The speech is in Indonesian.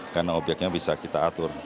karena objeknya bisa kita atur